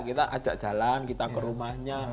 kita ajak jalan kita ke rumahnya